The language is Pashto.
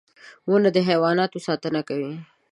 • ونه د حیواناتو ساتنه کوي.